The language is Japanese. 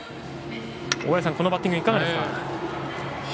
大矢さん、このバッティングいかがですか？